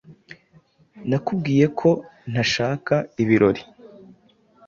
Nakubwiye ko ntashaka ibirori.